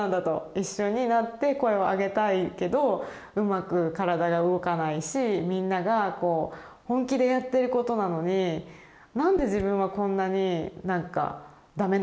一緒になって声を上げたいけどうまく体が動かないしみんなが本気でやってることなのになんで自分はこんなに駄目なんだみたいな。